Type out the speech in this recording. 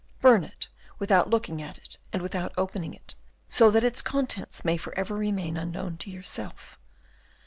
Burn it without looking at it, and without opening it, so that its contents may for ever remain unknown to yourself.